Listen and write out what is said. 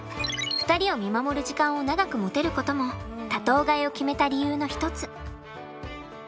２人を見守る時間を長く持てることも多頭飼いを決めた理由の一つ。